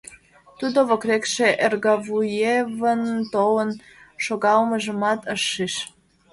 Тудо воктекше Эргуваевын толын шогалмыжымат ыш шиж.